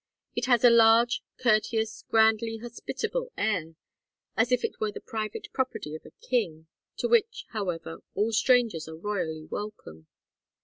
It has a large courteous grandly hospitable air, as if it were the private property of a king, to which, however, all strangers are royally welcome.